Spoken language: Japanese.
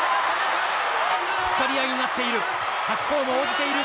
突っ張り合いになっている。